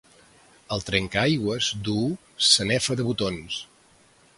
El trencaaigües duu sanefa de botons.